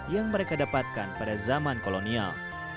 yang mereka dapatkan pada zaman kolonial